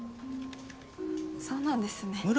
そうなんですね。